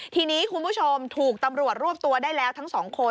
ทีนี้คุณผู้ชมถูกตำรวจรวบตัวได้แล้วทั้งสองคน